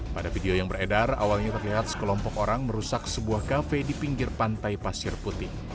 pada video yang beredar awalnya terlihat sekelompok orang merusak sebuah kafe di pinggir pantai pasir putih